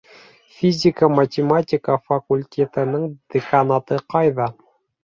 Физика-математика факультетының деканаты ҡайҙа?